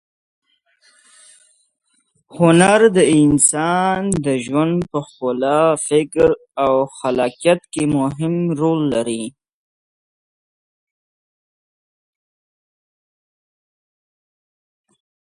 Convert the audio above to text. هنر د انسان د ژوند په ښکلا، فکر او خلاقیت کې مهم رول لري.